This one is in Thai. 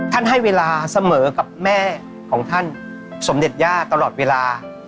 ให้เวลาเสมอกับแม่ของท่านสมเด็จย่าตลอดเวลา